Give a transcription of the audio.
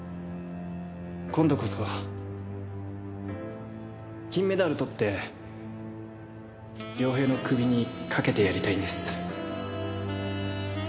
今度こそ金メダルとって涼平の首にかけてやりたいんです。